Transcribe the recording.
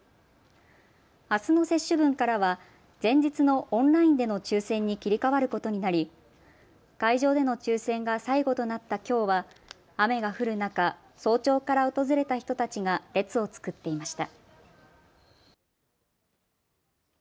あすの接種分からは前日のオンラインでの抽せんに切り替わることになり会場での抽せんが最後となったきょうは雨が降る中、早朝から訪れた人たちが列を作っていました。